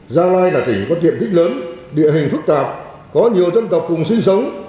gia lai là tỉnh có tiện tích lớn địa hình phức tạp có nhiều dân tộc cùng sinh sống